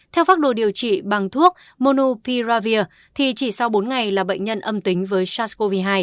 theo pháp đồ điều trị bằng thuốc monopiravir thì chỉ sau bốn ngày là bệnh nhân âm tính với sars cov hai